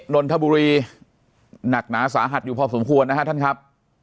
นนทบุรีหนักหนาสาหัสอยู่พอสมควรนะฮะท่านครับ